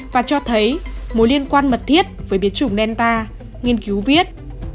và cho thấy mối liên quan mật thiết với biến chủng delta nghiên cứu viết